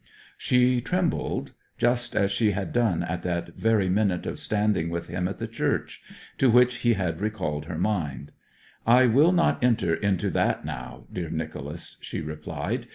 She trembled just as she had done at that very minute of standing with him in the church, to which he had recalled her mind. 'I will not enter into that now, dear Nicholas,' she replied.